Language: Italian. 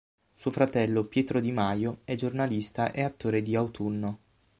Suo fratello Pietro di Majo è giornalista e attore di "Autunno".